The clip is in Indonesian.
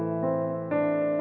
ooh menonggok kok vy